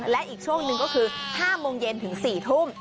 และอีกช่วงหนึ่งก็คือ๕โมงเย็นถึง๔ทุ่ม